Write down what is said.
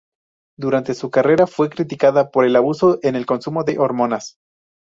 Durante su carrera fue criticada por el abuso en el consumo de hormonas.